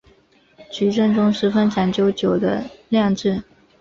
菊正宗十分讲究酒的酿制。